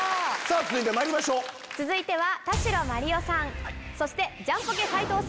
続いてまいりましょう！続いては。